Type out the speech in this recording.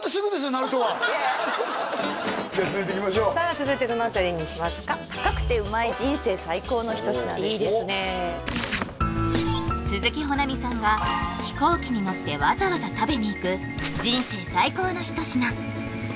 なるとはじゃあ続いていきましょうさあ続いてどの辺りにしますか高くてうまい人生最高の一品ですいいですね鈴木保奈美さんが飛行機に乗ってわざわざ食べに行く人生最高の一品